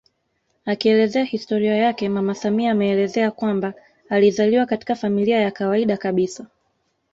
Akielezea historia yake mama samia ameelezea kwamba alizaliwa katika familia ya kawaida kabisa